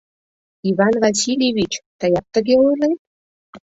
Иван Васильевич, тыят тыге ойлет?!